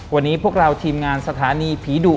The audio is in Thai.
วันนี้พวกเราทีมงานสถานีผีดุ